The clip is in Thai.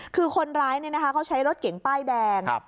คือคนร้ายเนี่ยนะคะเขาใช้รถเก๋งป้ายแดงครับ